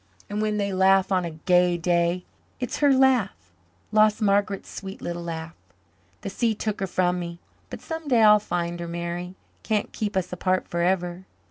And when they laugh on a gay day it's her laugh lost Margaret's sweet little laugh. The sea took her from me but some day I'll find her, Mary. It can't keep us apart forever."